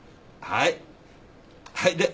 はい。